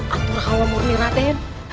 atur hawa murni raden